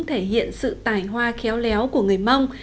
thể hiện sự tài hoa khéo léo của người mông